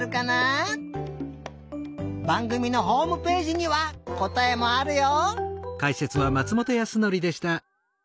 ばんぐみのホームページにはこたえもあるよ！